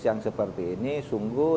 yang seperti ini sungguh